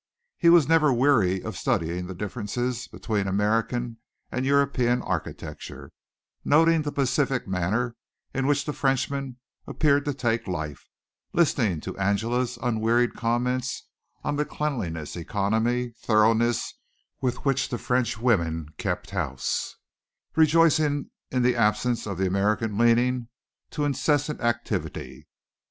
He was never weary of studying the differences between American and European architecture, noting the pacific manner in which the Frenchman appeared to take life, listening to Angela's unwearied comments on the cleanliness, economy, thoroughness with which the French women kept house, rejoicing in the absence of the American leaning to incessant activity.